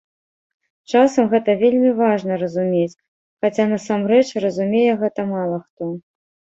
Часам гэта вельмі важна разумець, хаця, насамрэч, разумее гэта мала хто.